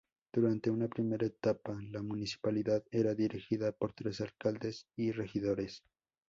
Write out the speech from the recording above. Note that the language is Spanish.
Durante una primera etapa, la Municipalidad era dirigida por tres alcaldes y regidores.